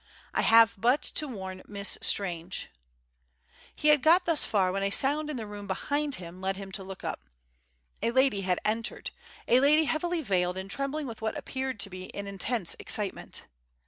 I have but to warn Miss Strange He had got thus far when a sound in the room behind him led him to look up. A lady had entered; a lady heavily veiled and trembling with what appeared to be an intense excitement.